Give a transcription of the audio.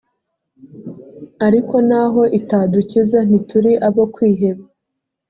ariko n’aho itadukiza ntituri abo kwiheba